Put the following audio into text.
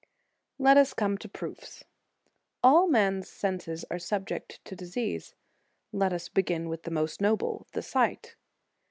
* Let us come to proofs. All man s senses are subject to disease; let us begin with the most noble, the sight.